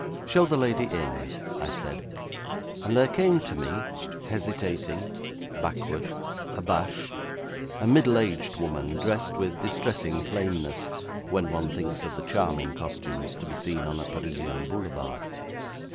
'Show the lady in,' I said, and there came to me, hesitating, backward, abashed, a middle aged woman, dressed with distressing plainness, when one thinks of the charming costumes to be seen on a Parisian boulevard.